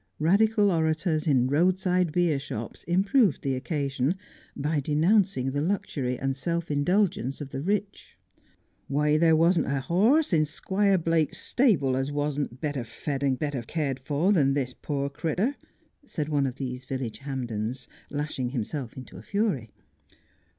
Radical orators in roadside beershops improved the occasion by denouncing the luxury and self indulgence of the rich. ' Why, there wasn't a horse in Squire Blake's stable as wasn't better fed and better cared for than this pore crittur,' said one of these village Hampdens, lashing himself into a fury.